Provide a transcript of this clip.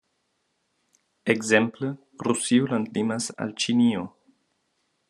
Ekzemple, Rusio landlimas al Ĉinio.